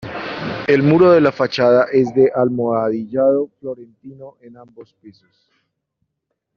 El muro de la fachada es de almohadillado florentino en ambos pisos.